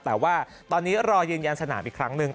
แต่ว่าตอนนี้รอยืนยันสนามอีกครั้งหนึ่ง